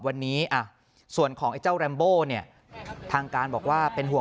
วันนี้ส่วนของไอ้เจ้าแรมโบ้เนี่ยทางการบอกว่าเป็นห่วง